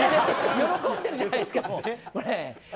喜んでるじゃないですか。